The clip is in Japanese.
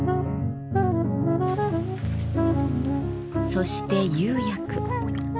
そして釉薬。